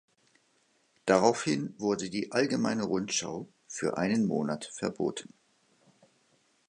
Daraufhin wurde die "Allgemeine Rundschau" für einen Monat verboten.